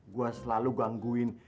gue selalu gangguin